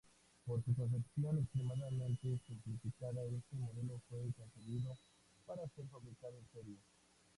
Por su concepción extremadamente simplificada, este modelo fue concebido para ser fabricado en serie.